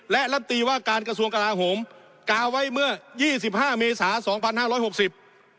และลำตีว่าการกระทรวงกลาโหมกาไว้เมื่อยี่สิบห้าเมษาสองพันห้าร้อยหกสิบ